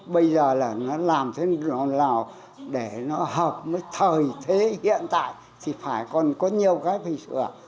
bây giờ là nó làm thế nào để nó hợp với thời thế hiện tại thì phải còn có nhiều cái hình ảnh